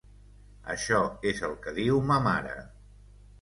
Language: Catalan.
Això és el que diu ma mare.